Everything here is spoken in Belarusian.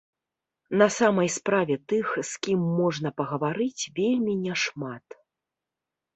На самай справе тых, з кім можна пагаварыць, вельмі няшмат.